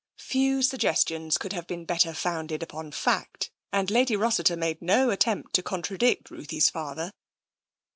Few suggestions could have been better founded upon fact, and Lady Rossiter made no attempt to con tradict Ruthie's father.